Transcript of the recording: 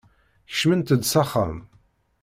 Kecmemt-d s axxam!